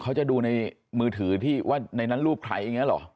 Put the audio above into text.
เขาจะดูในมือถือที่ว่าในนั้นรูปใครอย่างนี้หรอ